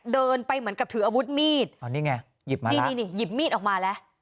เดินไปเหมือนกับถืออาวุธมีดอ๋อนี่ไงหยิบมานี่นี่หยิบมีดออกมาแล้ว